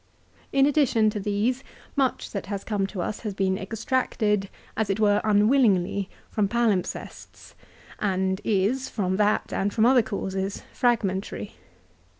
In addition to these much that lias come to us has been extracted, as it were unwillingly, from palimpsests, and is, from that and from other causes, fragmentary.